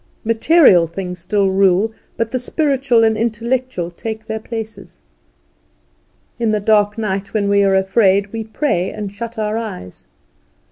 Material things still rule, but the spiritual and intellectual take their places. In the dark night when we are afraid we pray and shut our eyes.